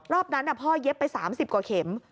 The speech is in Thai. รอบนั้นพ่อเย็บไป๓๐กว่าเข็ม